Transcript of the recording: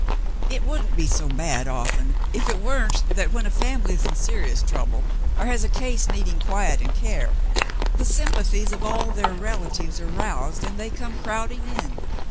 "It wouldn't be so bad often, if it weren't that when a family is in serious trouble or has a case needing quiet and care, the sympathies of all their relatives are roused, and they come crowding in.